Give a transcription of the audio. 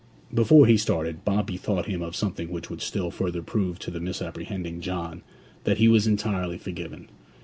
Before he started, Bob bethought him of something which would still further prove to the misapprehending John that he was entirely forgiven.